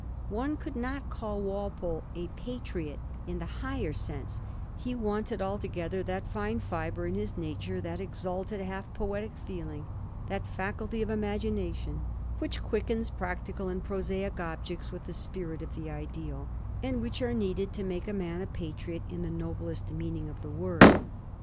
One could not call Walpole a patriot in the higher sense ; he wanted altogether that fine fibre in his nature, that exalted, half poetic feeling, that faculty of imaginar tion which quickens practical and prosaic objects with the spirit of the ideal, and which are needed to make a man a patriot in the noblest meaning of the word.